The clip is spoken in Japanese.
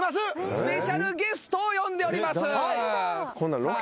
スペシャルゲストを呼んでおります。